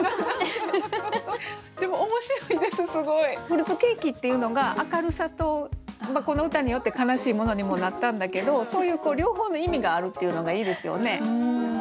「フルーツケーキ」っていうのが明るさとこの歌によって悲しいものにもなったんだけどそういう両方の意味があるっていうのがいいですよね。